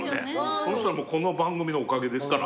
そしたらこの番組のおかげですから。